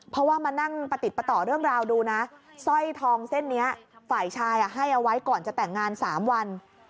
เพราะว่ามานั่งประติดประต่อเรื่องราวดูนะสร้อยทองเส้นนี้ฝ่ายชายให้เอาไว้ก่อนจะแต่งงาน๓วัน